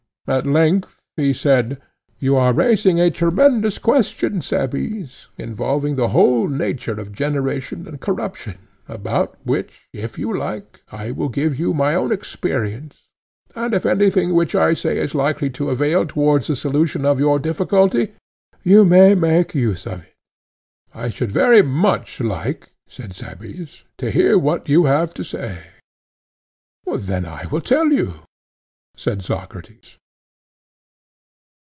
At length he said: You are raising a tremendous question, Cebes, involving the whole nature of generation and corruption, about which, if you like, I will give you my own experience; and if anything which I say is likely to avail towards the solution of your difficulty you may make use of it. I should very much like, said Cebes, to hear what you have to say. Then I will tell you, said Socrates.